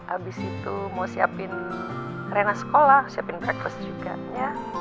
abis itu mau siapin arena sekolah siapin packers juga ya